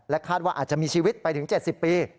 คาดว่าอาจจะมีชีวิตไปถึง๗๐ปี